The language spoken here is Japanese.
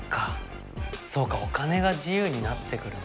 そうかお金が自由になってくる。